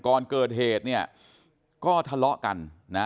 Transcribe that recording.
ก่อนเกิดเหตุเนี่ยก็ทะเลาะกันนะ